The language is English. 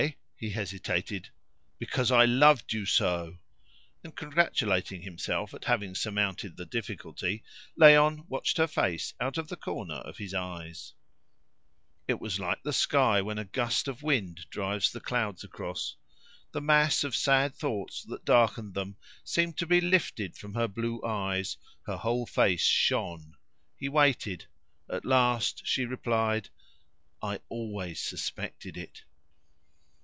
He hesitated. "Because I loved you so!" And congratulating himself at having surmounted the difficulty, Léon watched her face out of the corner of his eyes. It was like the sky when a gust of wind drives the clouds across. The mass of sad thoughts that darkened them seemed to be lifted from her blue eyes; her whole face shone. He waited. At last she replied "I always suspected it."